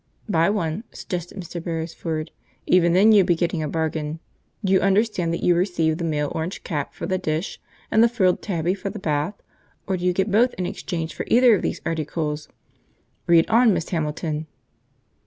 "Buy one," suggested Mr. Beresford. "Even then you'd be getting a bargain. Do you understand that you receive the male orange cat for the dish, and the frilled tabby for the bath, or do you get both in exchange for either of these articles? Read on, Miss Hamilton."